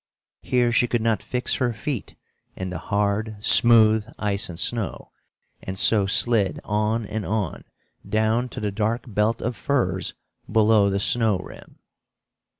Here she could not fix her feet in the hard, smooth ice and snow, and so slid on and on down to the dark belt of firs below the snow rim.